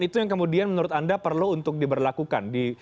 itu yang kemudian menurut anda perlu untuk diberlakukan